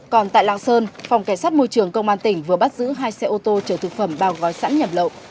còn tại lạng sơn phòng kẻ sát môi trường công an tỉnh vừa bắt giữ hai xe ô tô chở thực phẩm bao gói sẵn nhập lộ